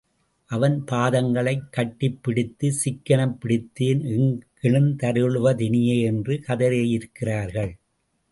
அவன் பாதங்களைக் கட்டிப்பிடித்து, சிக்கெனப் பிடித்தேன் எங்கெழுந்தருளுவதினியே என்று கதறியிருக்கிறார்கள்.